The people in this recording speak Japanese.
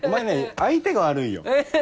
相手が悪い。